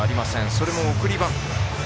それも送りバント。